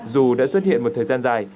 dù đã xuất hiện một thời gian dài